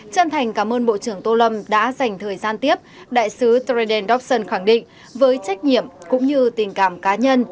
chân thành cảm ơn bộ trưởng tô lâm đã dành thời gian tiếp đại sứ treden dobson khẳng định với trách nhiệm cũng như tình cảm cá nhân